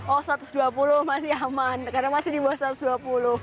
oh satu ratus dua puluh masih aman karena masih di bawah satu ratus dua puluh